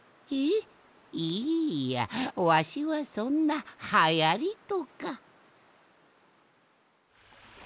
いやわしはそんなはやりとか。